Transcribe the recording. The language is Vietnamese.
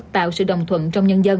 tạo sự đồng thuận trong nhân dân